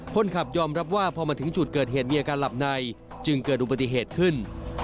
คนขับยอมรับว่าพอมาถึงจุดเกิดเหตุมีอาการหลับในจึงเกิดอุบัติเหตุขึ้น